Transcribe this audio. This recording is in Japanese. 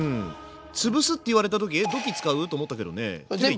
つぶすって言われた時え土器つかう？と思ったけどね。